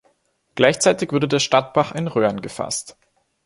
Gleichzeitig wurde der Stadtbach in Röhren gefasst.